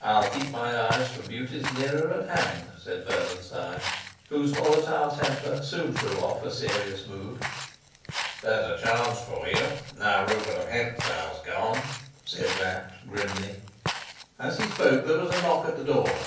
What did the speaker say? "I'll keep my eyes for beauties nearer at hand," said Bernenstein, whose volatile temper soon threw off a serious mood. "There's a chance for you, now Rupert of Hentzau's gone," said Sapt grimly. As he spoke there was a knock at the door.